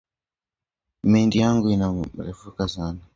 Mindi yangu ina refuka sana